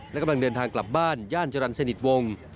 และกำลังเดินทางกลับบ้านย่านจรรย์สนิทวงศ์